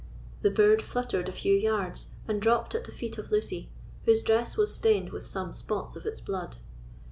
The bird fluttered a few yards and dropped at the feet of Lucy, whose dress was stained with some spots of its blood.